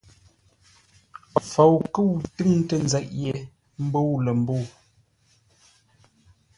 FOUKƏ́U tʉŋtə nzeʼ yé mbə̂u lə̂ mbə̂u.